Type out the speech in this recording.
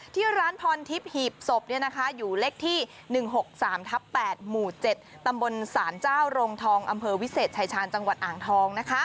ที่ร้านพรทิปหีบศพเนี่ยนะคะอยู่เล็กที่๑๖๓๘หมู่๗ตำบลสารเจ้ารงฐองอำเภอวิเศษชายฉานจังหวันอ่างทองนะคะ